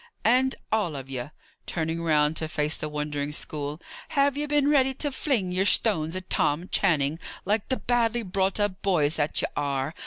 "And all of ye" turning round to face the wondering school "have been ready to fling ye're stones at Tom Channing, like the badly brought up boys that ye are.